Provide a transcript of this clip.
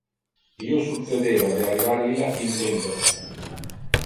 Io succedeva de arrivar illac in tempore.